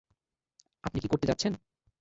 আপনি কী করতে যাচ্ছেন?